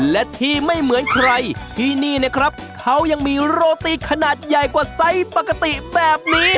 และที่ไม่เหมือนใครที่นี่นะครับเขายังมีโรตีขนาดใหญ่กว่าไซส์ปกติแบบนี้